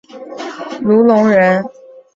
田牟是唐代平州卢龙人。